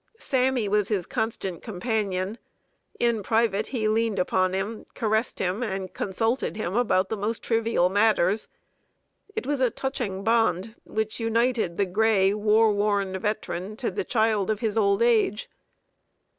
"Sammy" was his constant companion; in private he leaned upon him, caressed him, and consulted him about the most trivial matters. It was a touching bond which united the gray, war worn veteran to the child of his old age.